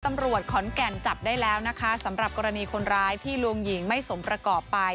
ตำรวจขอนแก่นจับได้แล้วนะคะสำหรับกรณีคนร้ายที่ลวงหญิงไม่สมประกอบไป